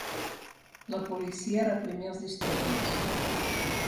La policia reprimí els disturbis.